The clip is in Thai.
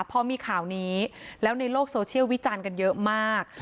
พอมีข่าวนี้แล้วในโลกโซเชียลวิจารณ์กันเยอะมาก